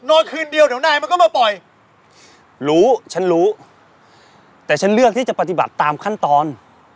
นอนคืนเดียวเดี๋ยวนายมันก็มาปล่อยรู้ฉันรู้แต่ฉันเลือกที่จะปฏิบัติตามขั้นตอน